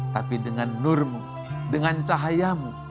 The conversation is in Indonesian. tapi dengan nurmu dengan cahayamu